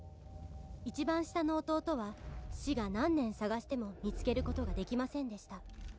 「一番下の弟は死が何年捜しても見つけることができませんでした」